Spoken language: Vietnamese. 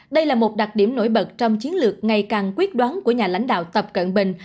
đây là một đặc điểm nổi bật trong chiến lược ngày càng quyết đoán của nhà lãnh đạo tập cận bình